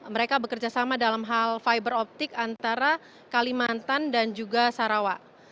mereka bekerjasama dalam hal fiber optik antara kalimantan dan juga sarawak